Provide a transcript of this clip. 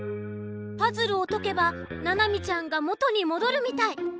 パズルをとけばななみちゃんがもとにもどるみたい！